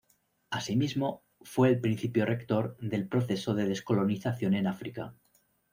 Asimismo, fue el principio rector del proceso de descolonización en África.